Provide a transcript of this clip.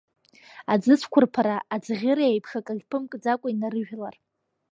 Аӡыцәқәырԥара, аӡӷьыра еиԥш, акагь ԥымкӡакәа инарыжәлар…